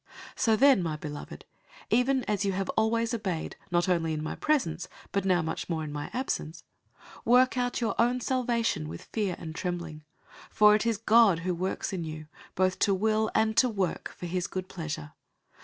002:012 So then, my beloved, even as you have always obeyed, not only in my presence, but now much more in my absence, work out your own salvation with fear and trembling. 002:013 For it is God who works in you both to will and to work, for his good pleasure.